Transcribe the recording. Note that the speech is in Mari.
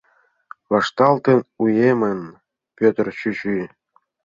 Вашталтын, уэмын Пӧтыр чӱчӱ!